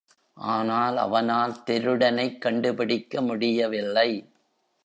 ஆனால், அவனால் திருடனைக் கண்டுபிடிக்க முடியவில்லை.